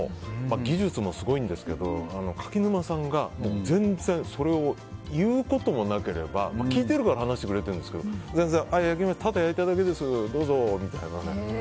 技術もすごいんですけど柿沼さんが、全然それを言うこともなければ聞いているから話してくれるんですけど全然、ただ焼いただけですどうぞ、みたいな。